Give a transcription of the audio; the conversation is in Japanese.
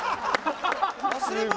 ・忘れ物？